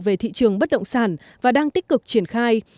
về thị trường bất động sản và đang tích cực triển khai